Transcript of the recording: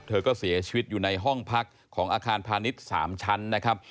เธอก็เสียชีวิตอยู่ในห้องพักของอาคารพาณิชย์๓ชั้นนะครับ